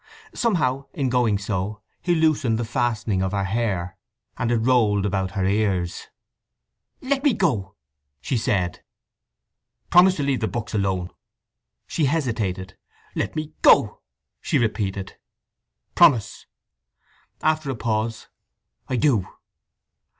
Somehow, in going so, he loosened the fastening of her hair, and it rolled about her ears. "Let me go!" she said. "Promise to leave the books alone." She hesitated. "Let me go!" she repeated. "Promise!" After a pause: "I do."